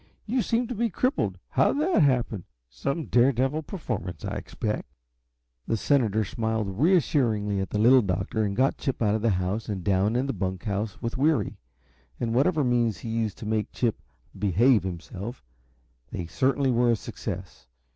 You seem to be crippled. How did that happen? Some dare devil performance, I expect." The senator smiled reassuringly at the Little Doctor and got Chip out of the house and down in the bunk house with Weary, and whatever means he used to make Chip "behave himself," they certainly were a success.